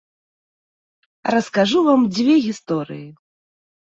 Раскажу вам дзве гісторыі.